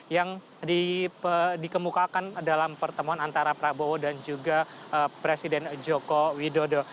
yang dikemukakan dalam pertemuan antara prabowo dan juga presiden joko widodo